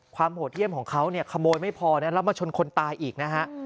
โหดเยี่ยมของเขาเนี่ยขโมยไม่พอนะแล้วมาชนคนตายอีกนะฮะ